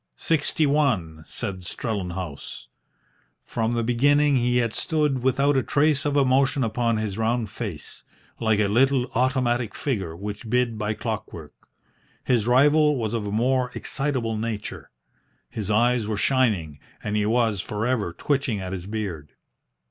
"Sixty one," said Strellenhaus. From the beginning he had stood without a trace of emotion upon his round face, like a little automatic figure which bid by clockwork. His rival was of a more excitable nature. His eyes were shining, and he was for ever twitching at his beard.